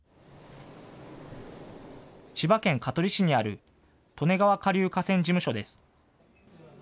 千葉県香取市にある利根川下流河川事務所です。